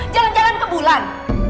jalan jalan ke bulan